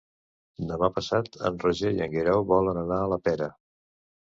Demà passat en Roger i en Guerau volen anar a la Pera.